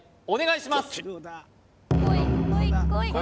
お願いします